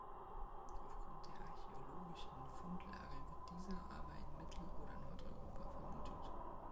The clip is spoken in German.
Aufgrund der archäologischen Fundlage wird dieser aber in Mittel- oder Nordeuropa vermutet.